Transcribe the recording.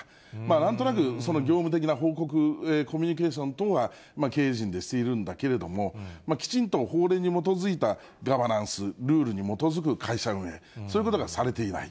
なんとなく業務的な報告、コミュニケーション等は経営陣でしているんだけれども、きちんと法令に基づいたガバナンス、ルールに基づく会社運営、そういうことがされていない。